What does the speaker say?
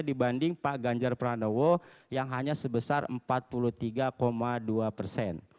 dibanding pak ganjar pranowo yang hanya sebesar empat puluh tiga dua persen